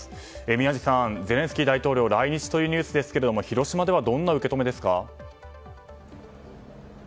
宮司さん、ゼレンスキー大統領来日というニュースですけども広島ではどんな受け止めですか？